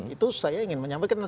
itu saya ingin menyampaikan